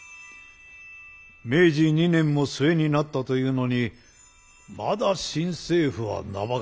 明治２年も末になったというのにまだ新政府は名ばかりだ。